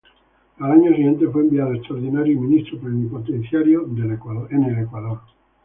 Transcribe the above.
Al año siguiente fue enviado extraordinario y ministro plenipotenciario en Ecuador.